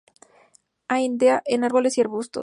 Anida en árboles y arbustos.